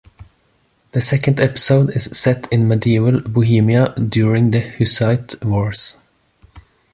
The second episode is set in Medieval Bohemia during the Hussite Wars.